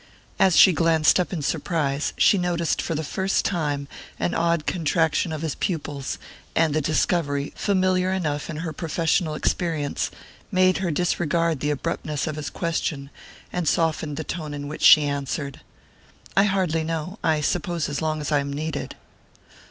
As she glanced up in surprise she noticed for the first time an odd contraction of his pupils, and the discovery, familiar enough in her professional experience, made her disregard the abruptness of his question and softened the tone in which she answered. "I hardly know I suppose as long as I am needed."